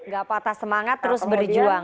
gak patah semangat terus berjuang